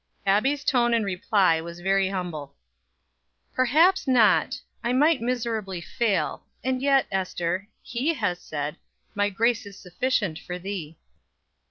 Abbie's tone in reply was very humble. "Perhaps not I might miserably fail; and yet, Ester, He has said, 'My grace is sufficient for thee.'"